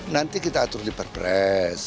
nanti kita atur di perpres